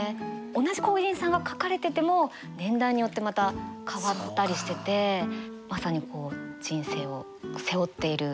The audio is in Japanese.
同じ工人さんが描かれてても年代によってまた変わったりしててまさにこう人生を背負っている。